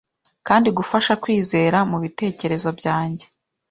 kandi gufasha kwizera 'mubitekerezo byanjye